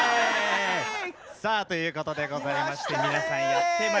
さあということでございまして皆さんやってまいりました。